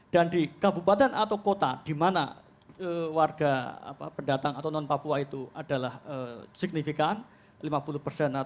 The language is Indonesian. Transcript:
dan di kabupaten atau kota di mana warga pendatang atau non papua itu adalah signifikan